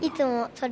それ。